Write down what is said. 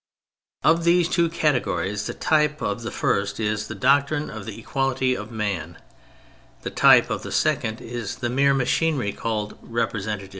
Of these two categories the type of the first is the doctrine of the equality of man; the type of the second is the mere machinery called '' representative."